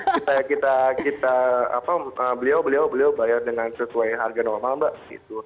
kita kita kita apa beliau beliau beliau bayar dengan sesuai harga normal mbak gitu